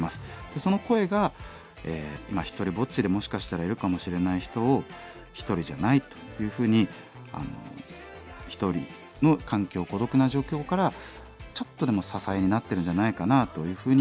その声が今独りぼっちでもしかしたらいるかもしれない人を一人じゃないというふうに一人の環境孤独な状況からちょっとでも支えになってるんじゃないかなというふうに思っています。